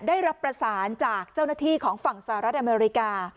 ได้รับประสานจากเจ้าหน้าที่ของฝั่งสหรัฐอเมริกา